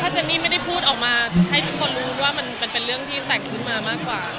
เจนนี่ไม่ได้พูดออกมาให้ทุกคนรู้ว่ามันเป็นเรื่องที่แต่งขึ้นมามากกว่า